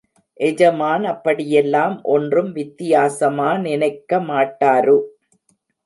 எஜமான் அப்படியெல்லாம் ஒன்றும் வித்தியாசமா நினைக்கமாட்டாரு.